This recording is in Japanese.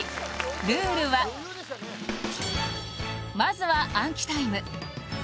ルールはまずは暗記タイム！